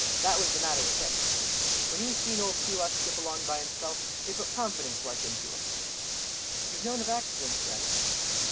That was the matter with him. When he seen old Keewah skip along by himself, it put confidence like, into him." "You've known of accidents, then?"